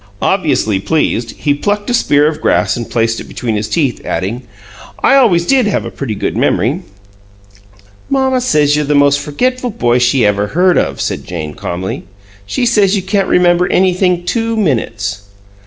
Obviously pleased, he plucked a spear of grass and placed it between his teeth, adding, "I always did have a pretty good memory." "Mamma says you're the most forgetful boy she ever heard of," said Jane, calmly. "She says you can't remember anything two minutes."